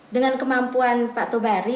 dengan kemampuan pak tobari